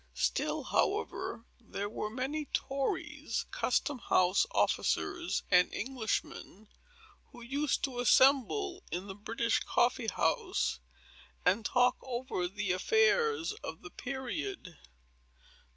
Still, however, there were many tories, custom house officers, and Englishmen, who used to assemble in the British Coffee House, and talk over the affairs of the period.